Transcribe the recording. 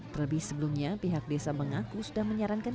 terlebih sebelumnya pihak desa mengaku sudah menyarankan